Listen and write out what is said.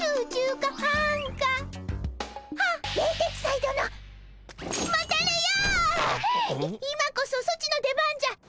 い今こそソチの出番じゃ。